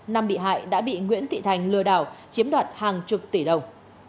năm bị hại đã bị nguyễn thị thành lừa đảo chiếm đoạt hàng chục tỷ đồng